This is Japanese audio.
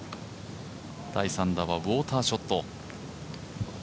第３打はウォーターショット。